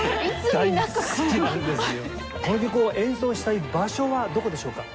この曲を演奏したい場所はどこでしょうか？